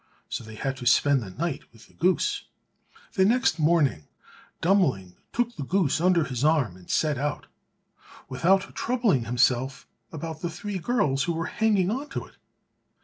So they had to spend the night with the goose. The next morning Dummling took the goose under his arm and set out, without troubling himself about the three girls who were hanging on to it.